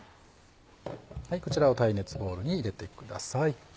こちらを耐熱ボウルに入れてください。